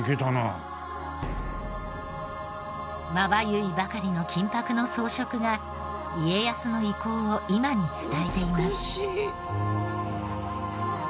まばゆいばかりの金箔の装飾が家康の威光を今に伝えています。